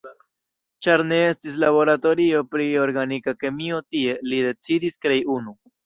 Ĉar ne estis laboratorio pri Organika Kemio tie, li decidis krei unu.